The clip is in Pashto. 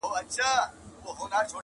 سر کي ښکر شاته لکۍ ورکړه باداره,